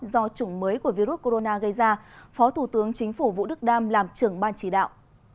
do chủng mới của virus corona gây ra phó thủ tướng chính phủ vũ đức đam làm trưởng ban chỉ đạo